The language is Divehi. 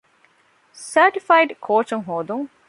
ސާޓިފައިޑް ކޯޗުން ހޯދުން